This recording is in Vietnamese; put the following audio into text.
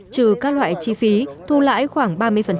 trừ các loại chi phí thu lãi khoảng ba mươi